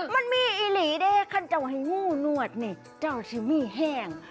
มันมีอิหรี่ด้วยขั้นเจ้าไหงู้นวดนี่เจ้าซิมี่แห้ง